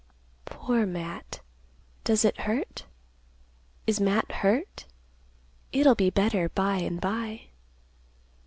Poor Matt. Does it hurt? Is Matt hurt? It'll be better by and by."